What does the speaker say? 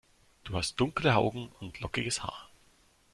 Du hast dunkle Augen und lockiges Haar.